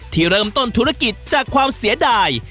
ที่เริ่มต้นธุรกิจจากความเสียดาย